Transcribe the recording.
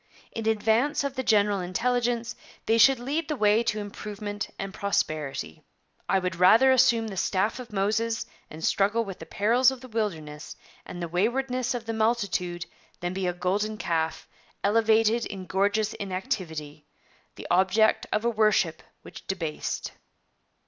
In advance of the general intelligence, they should lead the way to improvement and prosperity. I would rather assume the staff of Moses and struggle with the perils of the wilderness and the waywardness of the multitude than be a golden calf, elevated in gorgeous inactivity the object of a worship which debased.'